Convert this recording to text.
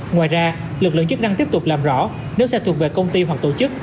ngoài ra lực lượng chức năng tiếp tục làm rõ nếu xe thuộc về công ty hoặc tổ chức